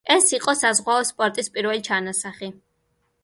ეს იყო საზღვაო სპორტის პირველი ჩანასახი.